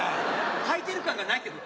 はいてる感がないってこと？